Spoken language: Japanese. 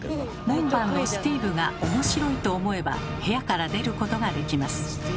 門番のスティーブが「おもしろい」と思えば部屋から出ることができます。